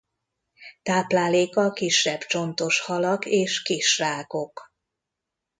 Tápláléka kisebb csontos halak és kis rákok.